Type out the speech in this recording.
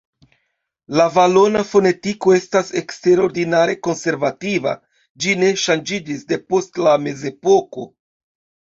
La valona fonetiko estas eksterordinare konservativa: ĝi ne ŝanĝiĝis depost la Mezepoko.